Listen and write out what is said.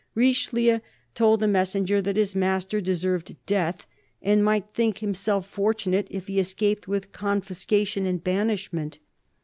Richelieu told the messenger that his master deserved death, and might think himself fortunate if he escaped with confiscation and banishment.